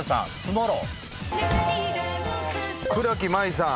倉木麻衣さん